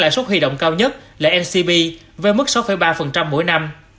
lãi suất huy động cao nhất là ncb với mức sáu ba mỗi năm